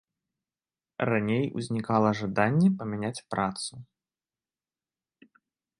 Раней узнікала жаданне памяняць працу.